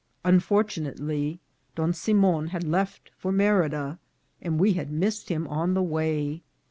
Unfor tunately, Don Simon had left for Merida, and we had missed him on the way.